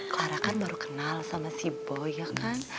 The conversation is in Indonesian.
clara kan baru kenal sama si boy ya kan